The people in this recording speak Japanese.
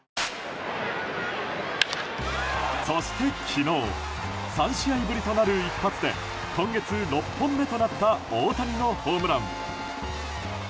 そして昨日３試合ぶりとなる一発で今月６本目となった大谷のホームラン。